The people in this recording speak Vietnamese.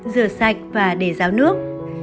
rửa sạch và để ráo nước